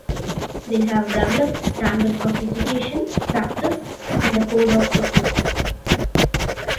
They have developed standards of education, practice, and a code of ethics.